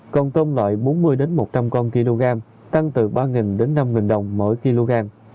còn tôm loại bốn mươi một trăm linh con kg tăng từ ba đến năm đồng mỗi kg